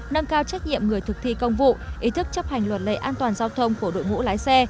nâng cao trách nhiệm người thực thi công vụ ý thức chấp hành luật lệ an toàn giao thông của đội ngũ lái xe